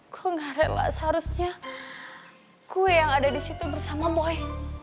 gue gak relas harusnya gue yang ada di situ bersama boy